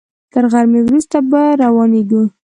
تر غرمې وروسته به روانېږو.